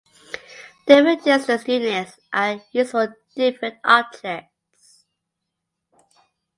Different distance units are used for different objects.